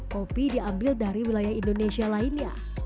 kopi diambil dari wilayah indonesia lainnya